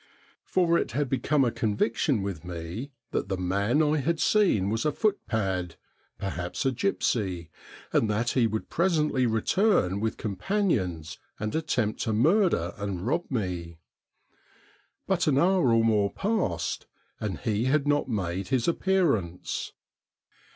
For it had become a conviction with me that the man I had seen was a footpad, perhaps a gipsy, and that he would presently return with companions and attempt to murder and rob me. But an hour or more passed and he had not made his appearance.